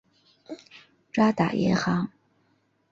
渣打银行。